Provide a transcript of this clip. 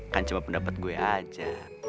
kan cuma pendapat gue aja